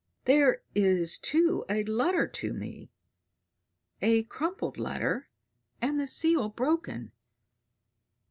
There is too a letter to me; a crumpled letter and the seal broken."